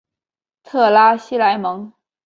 特拉西莱蒙。